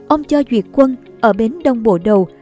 ông cho duyệt quân ở bến đông bộ đầu